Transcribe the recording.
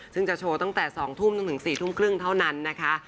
ซึ่งจะโชว์ตั้งแต่๒ทุ่มจนถึง๔ทุ่มครึ่งเท่านั้นนะคะ